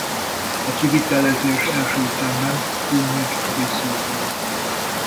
A kivitelezés első ütemben Kónyig készült el.